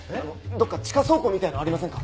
どっか地下倉庫みたいなのありませんか？